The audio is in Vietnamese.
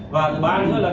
và thứ ba nữa là